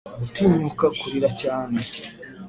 gutinyuka kurira cyane